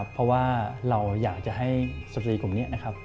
เพราะว่าเราอยากจะให้สตรีกลุ่มนี้นะครับ